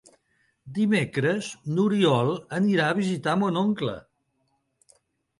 Dimecres n'Oriol anirà a visitar mon oncle.